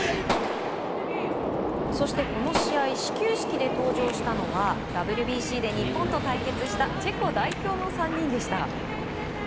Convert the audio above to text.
そしてこの試合、始球式で登場したのはＷＢＣで日本と対決したチェコ代表の３人でした。